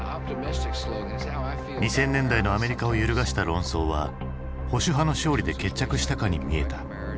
２０００年代のアメリカを揺るがした論争は保守派の勝利で決着したかに見えた。